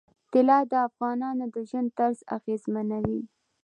طلا د افغانانو د ژوند طرز اغېزمنوي.